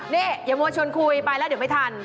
นี่อย่ามวลชนคุยไปแล้วเดี๋ยวไม่ทัน